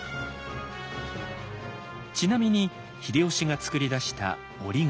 ちなみに秀吉が作り出した「折紙」。